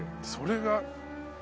それが。